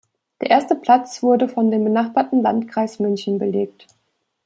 Der erste Platz wurde von dem benachbarten Landkreis München belegt.